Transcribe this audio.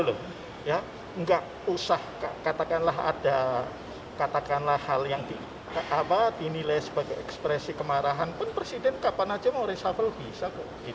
enggak usah katakanlah ada hal yang dinilai sebagai ekspresi kemarahan pun presiden kapan saja mau reshuffle bisa